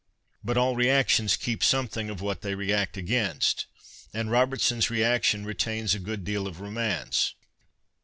But all reactions keep something of what they react against, and Robertsons reaction retains a good deal of romance.